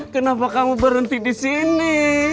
kenapa kamu berhenti disini